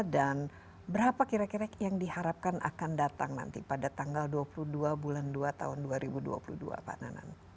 dan berapa kira kira yang diharapkan akan datang nanti pada tanggal dua puluh dua bulan dua tahun dua ribu dua puluh dua pak nanan